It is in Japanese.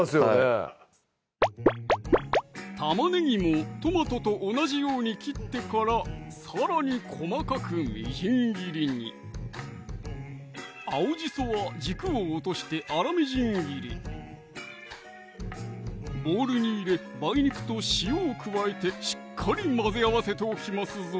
はい玉ねぎもトマトと同じように切ってからさらに細かくみじん切りに青じそは軸を落として粗みじん切りボウルに入れ梅肉と塩を加えてしっかり混ぜ合わせておきますぞ